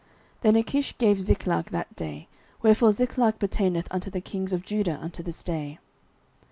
09:027:006 Then Achish gave him Ziklag that day: wherefore Ziklag pertaineth unto the kings of Judah unto this day.